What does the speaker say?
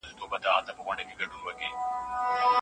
خلګو پخوا نجوني د ديت په توګه ورکولې.